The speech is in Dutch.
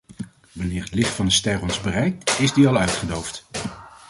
Wanneer het licht van een ster ons bereikt, is die al uitgedoofd.